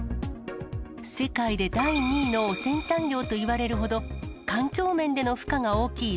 世界で第２位の汚染産業といわれるほど、環境面での負荷が大きい